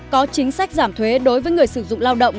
có chính sách giảm thuế đối với người sử dụng lao động